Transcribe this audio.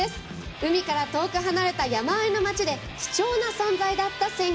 海から遠く離れた山あいの町で貴重な存在だった鮮魚。